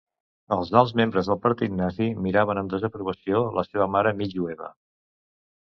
Els alts membres del partit nazi miraven amb desaprovació la seva mare mig jueva.